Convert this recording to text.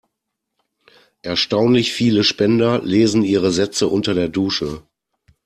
Erstaunlich viele Spender lesen ihre Sätze unter der Dusche.